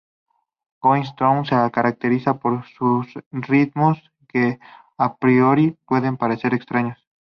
Goin' Through se caracteriza por sus ritmos que, a priori, pueden parecer extraños.